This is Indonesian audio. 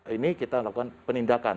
ini kita lakukan penindakan